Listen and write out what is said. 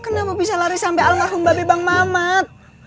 kenapa bisa lari sampai almarhum babi bang mamat